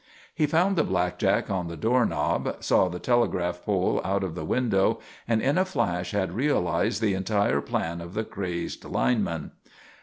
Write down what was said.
He found the blackjack on the door knob, saw the telegraph pole out of the window and in a flash had realised the entire plan of the crazed lineman.